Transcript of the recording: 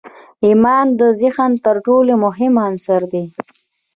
ایمان د ذهن تر ټولو مهم عنصر دی